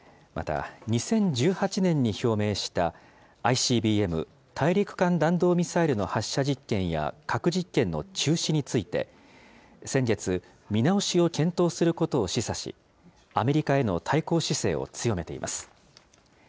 また、２０１８年に表明したＩＣＢＭ・大陸間弾道ミサイルの発射実験や核実験の中止について、先月、見直しを検討することを示唆し、アメリカへの対抗姿勢を強めています。